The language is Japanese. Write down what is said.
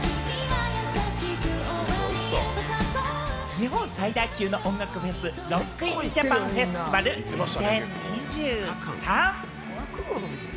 日本最大級の音楽フェス・ＲＯＣＫＩＮＪＡＰＡＮＦＥＳＴＩＶＡＬ２０２３。